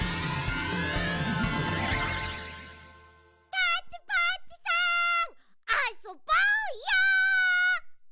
タッチパッチさんあそぼうよ！